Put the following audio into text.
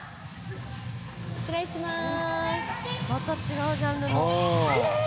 失礼します。